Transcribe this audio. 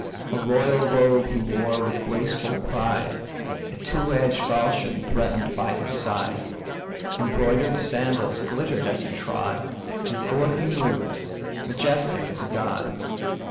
A royal robe he wore with graceful pride, A two edged falchion threaten'd by his side, Embroider'd sandals glitter'd as he trod, And forth he moved, majestic as a god.